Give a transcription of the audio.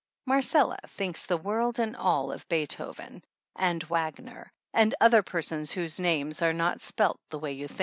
Marcella thinks the world and all of Bee thoven and Wagner and other persons whose names are not spelt the way you would think.